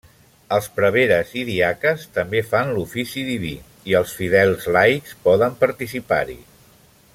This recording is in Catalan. Els preveres i diaques també fan l'ofici diví, i els fidels laics poden participar-hi.